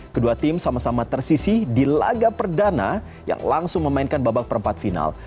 kedua tim sama sama tersisih di laga perdana yang langsung memainkan babak perempat final